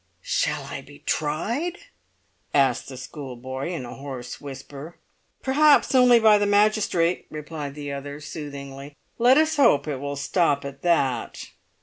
"Shall I be tried?" asked the schoolboy in a hoarse whisper. "Perhaps only by the magistrate," replied the other, soothingly; "let us hope it will stop at that."